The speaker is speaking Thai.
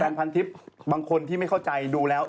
พันทิพย์บางคนที่ไม่เข้าใจดูแล้ว